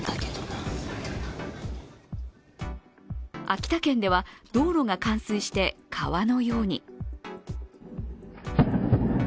秋田県では道路が冠水して川のように。